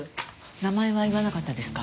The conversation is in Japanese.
名前は言わなかったですか？